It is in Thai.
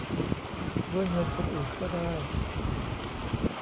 ด้วยเงินคนอื่นก็ได้